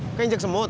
bukan injek semut